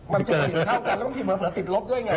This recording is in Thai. มันเกินเหมือนเผื่อติดลบด้วยไง